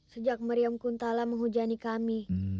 sejak meriam kuntala menghujani kami